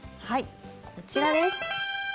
はいこちらです。